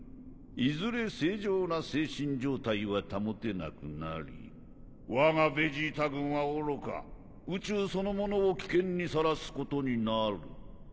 いずれ正常な精神状態は保てなくなりわがベジータ軍はおろか宇宙そのものを危険にさらすことになる。